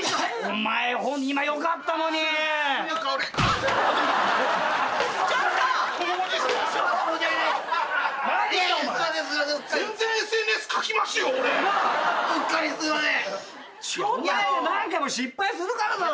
お前何回も失敗するからだろお前よ。